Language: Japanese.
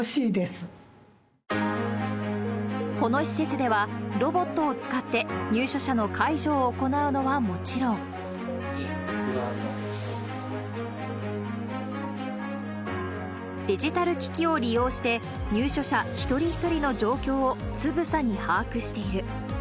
この施設では、ロボットを使って入所者の介助を行うのはもちろん、デジタル機器を利用して、入所者一人一人の状況をつぶさに把握している。